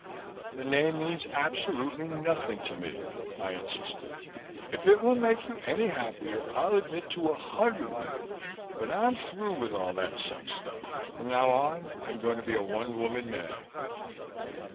"The name means absolutely nothing to me," I insisted. "If it will make you any happier I'll admit to a hundred women but I'm through with all that sex stuff. From now on, I'm going to be a one woman man."